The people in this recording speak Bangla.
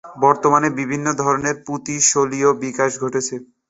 বর্তমানে বিভিন্ন ধরনের পুঁতি শৈলীর বিকাশ ঘটেছে।